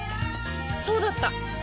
そうだった！